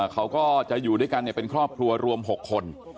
เขาก็จะอยู่ด้วยกันเป็นครอบครัวรวม๖คน